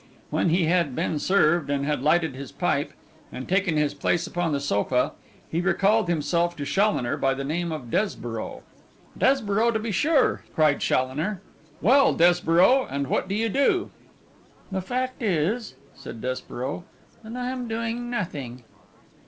When he had been served, and had lighted his pipe and taken his place upon the sofa, he recalled himself to Challoner by the name of Desborough. 'Desborough, to be sure,' cried Challoner. 'Well, Desborough, and what do you do?' 'The fact is,' said Desborough, 'that I am doing nothing.